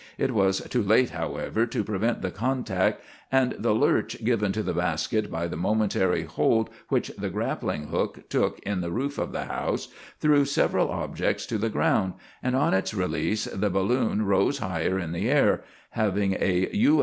It was too late, however, to prevent the contact, and the lurch given to the basket by the momentary hold which the grappling hook took in the roof of the house threw several objects to the ground, and on its release the balloon rose higher in the air, having a "U.